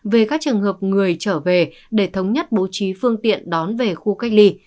về các trường hợp người trở về để thống nhất bố trí phương tiện đón về khu cách ly